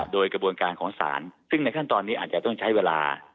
โดยกระบวนการของศาลซึ่งในขั้นตอนนี้อาจจะต้องใช้เวลา